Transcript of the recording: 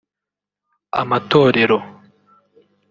amatorero